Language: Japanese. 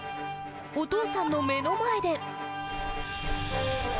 お父さんの目の前で。